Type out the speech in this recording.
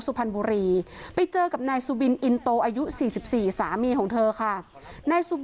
คุณปุ้ยอายุ๓๒นางความร้องไห้พูดคนเดี๋ยว